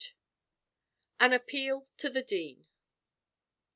AN APPEAL TO THE DEAN.